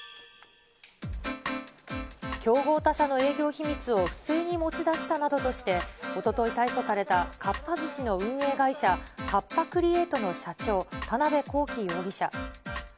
競合他社の営業秘密を不正に持ち出したなどとして、おととい逮捕された、かっぱ寿司の運営会社、カッパ・クリエイトの社長、田辺公己容疑者。